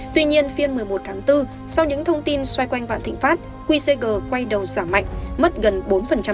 tuy nhiên phiên một mươi một tháng bốn sau những thông tin xoay quanh vạn thịnh phát quy sager quay đầu giảm mạnh mất gần bốn thị giá